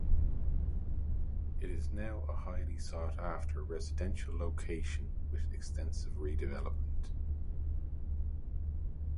It is now a highly sought-after residential location with extensive redevelopment.